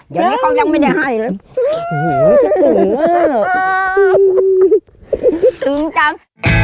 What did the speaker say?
อย่างเนี้ยเขายังไม่ได้ให้แหละโอ้โฮถึงจัง